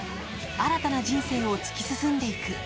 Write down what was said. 新たな人生を突き進んでいく。